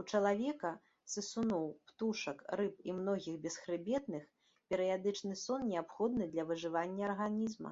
У чалавека, сысуноў, птушак, рыб і многіх бесхрыбетных, перыядычны сон неабходны для выжывання арганізма.